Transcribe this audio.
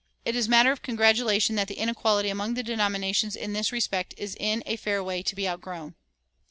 [394:1] It is matter of congratulation that the inequality among the denominations in this respect is in a fair way to be outgrown.